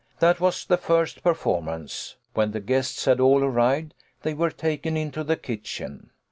That was the first performance. When the guests had" all arrived, they were taken into the kitchen.